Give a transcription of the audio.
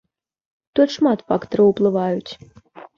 Тут шмат фактараў уплываюць.